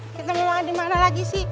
kita mau makan dimana lagi sih